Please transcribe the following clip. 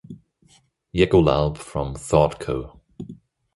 Yegulalp from ThoughtCo.